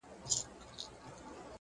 خدايه له بـهــاره روانــېــږمه!